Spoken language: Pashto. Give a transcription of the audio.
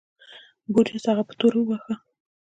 بوریس هغه په توره وواهه.